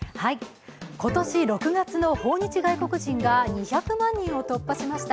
今年６月の訪日外国人が２００万人を突破しました。